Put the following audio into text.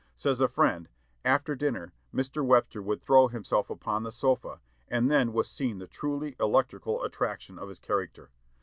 Says a friend, "After dinner, Mr. Webster would throw himself upon the sofa, and then was seen the truly electrical attraction of his character.